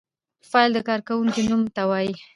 فاعل د کار کوونکی نوم ته وايي.